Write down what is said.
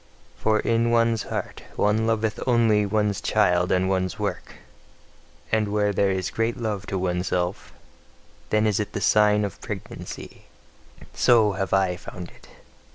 For in one's heart one loveth only one's child and one's work; and where there is great love to oneself, then is it the sign of pregnancy: so have I found it.